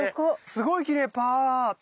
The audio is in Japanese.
すごいきれいパーっと。